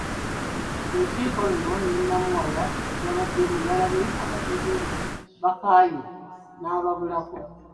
Mu lukiiko luno ne Namuwaya yabaddemu yalabye abatuuze bakaaye n’ababulako.